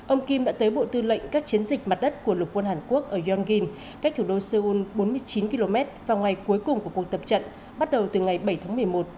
ông kim đã tới bộ tư lệnh các chiến dịch mặt đất của lục quân hàn quốc ở yonggin cách thủ đô seoul bốn mươi chín km vào ngày cuối cùng của cuộc tập trận bắt đầu từ ngày bảy tháng một mươi một